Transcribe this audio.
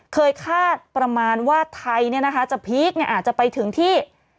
เคยคาดประมาณว่าไทยเนี้ยนะคะจะพีคเนี้ยอาจจะไปถึงที่